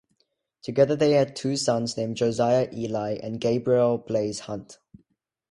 Together they have two sons named Josiah Eli and Gabriel Blaze Hunt.